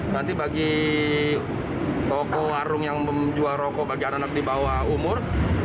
nanti bagi toko warung yang menjual rokok bagi anak anak di bawah umur